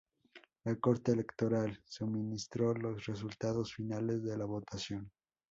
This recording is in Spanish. La Corte Electoral suministró los resultados finales de la votación.